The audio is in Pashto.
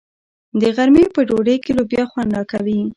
د غرمې په ډوډۍ کې لوبیا خوند راکوي.